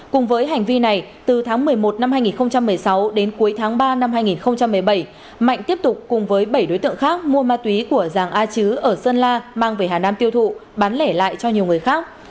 cùng với hành vi này từ tháng một mươi một năm hai nghìn một mươi sáu đến cuối tháng ba năm hai nghìn một mươi bảy mạnh tiếp tục cùng với bảy đối tượng khác mua ma túy của giàng a chứ ở sơn la mang về hà nam tiêu thụ bán lẻ lại cho nhiều người khác